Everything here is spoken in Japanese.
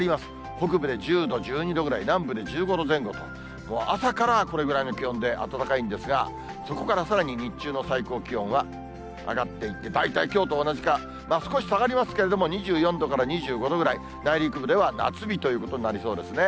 北部で１０度、１２度ぐらい、南部で１５度前後と、もう朝からこれぐらいの気温で暖かいんですが、そこからさらに日中の最高気温は上がっていって、大体きょうと同じか、少し下がりますけれども、２４度から２５度ぐらい、内陸部では夏日ということになりそうですね。